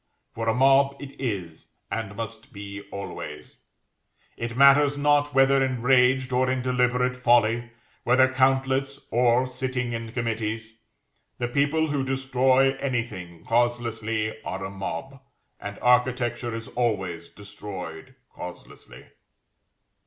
For a mob it is, and must be always; it matters not whether enraged, or in deliberate folly; whether countless, or sitting in committees; the people who destroy anything causelessly are a mob, and Architecture is always destroyed causelessly.